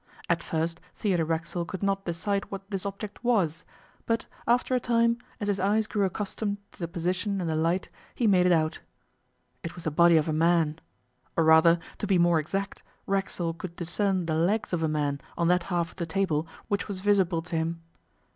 At first Theodore Racksole could not decide what this object was, but after a time, as his eyes grew accustomed to the position and the light, he made it out. It was the body of a man. Or, rather, to be more exact, Racksole could discern the legs of a man on that half of the table which was visible to him.